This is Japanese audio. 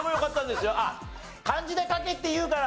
あっ漢字で書けって言うから？